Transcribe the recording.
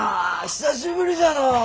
久しぶりじゃのう。